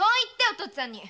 お父っつぁんに。